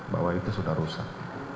bahwa itu sudah rusak